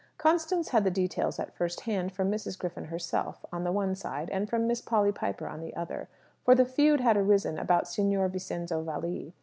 Constance had the details at first hand, from Mrs. Griffin herself, on the one side, and from Miss Polly Piper on the other: for the feud had arisen about Signor Vincenzo Valli.